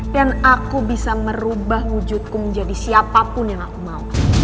dan aku bisa merubah wujudku menjadi siapapun yang aku mau